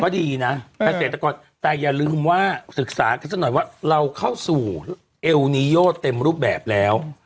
ก็ดีน่ะแต่อย่าลืมว่าศึกษาคิดซะหน่อยว่าเราเข้าสู่เอลนีโยเต็มรูปแบบแล้ว